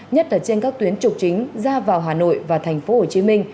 nhất là trên các tuyến trục chính ra vào hà nội và tp hcm